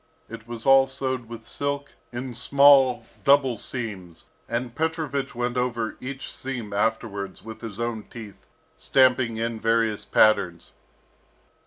It was all sewed with silk, in small, double seams, and Petrovich went over each seam afterwards with his own teeth, stamping in various patterns.